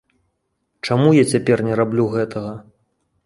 Чаму я цяпер не раблю гэтага?